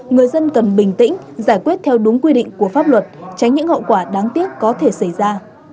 người dân cần bình tĩnh giải quyết theo đúng quy định của pháp luật tránh những hậu quả đáng tiếc có thể xảy ra